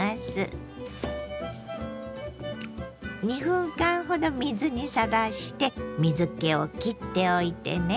２分間ほど水にさらして水けをきっておいてね。